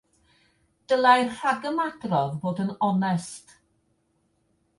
Dylai'r rhagymadrodd fod yn onest.